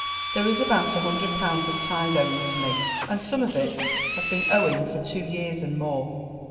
There is about a hundred pounds of tithe owing to me, and some of it has been owing for two years and more.